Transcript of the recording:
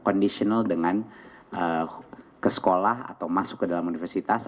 conditional dengan ke sekolah atau masuk ke dalam universitas